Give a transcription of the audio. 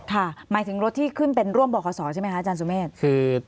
หมายถึงรถที่ขึ้นเป็นร่วมบขศใช่ไหมคะอาจารย์สุเมฆ